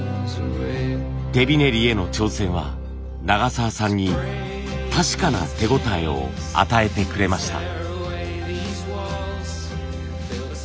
手びねりへの挑戦は永澤さんに確かな手応えを与えてくれました。